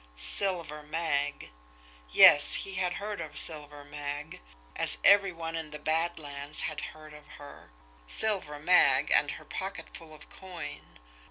Silver Mag! Yes, he had heard of Silver Mag as every one in the Bad Lands had heard of her. Silver Mag and her pocketful of coin!